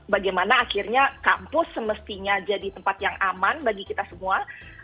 bagaimana akhirnya kampus semestinya jadi tempat yang aman bagi kita semua